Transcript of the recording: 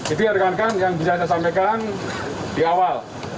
itu rekan rekan yang bisa saya sampaikan di awal